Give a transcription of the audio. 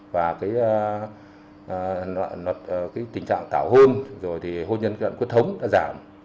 và tình trạng tảo hôn hôn nhân quyết thống đã giảm